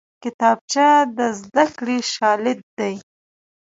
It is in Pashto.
کتابچه د زدکړې شاليد دی